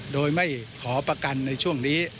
โดยไม่ขอประกันในช่วงนี้